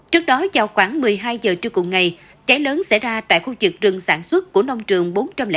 trước đó vào khoảng một mươi hai giờ trước cùng ngày cháy lớn xảy ra tại khu trực rừng sản xuất của nông trường bốn trăm linh hai